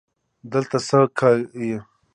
دلته څه که یې